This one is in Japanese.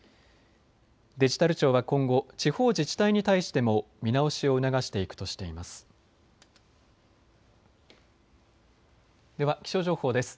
デジタル庁は今後、地方自治体に対しても見直しを促していくとしています。